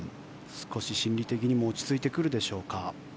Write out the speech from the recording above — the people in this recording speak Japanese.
少し心理的にも落ち着いてくるでしょうか。